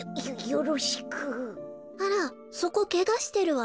あらそこけがしてるわ。